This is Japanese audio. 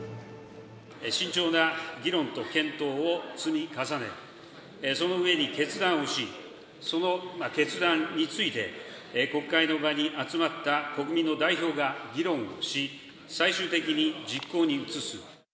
慎重な議論と検討を積み重ね、その上に決断をし、その決断について、国会の場に集まった国民の代表が議論をし、最終的に実行に移す。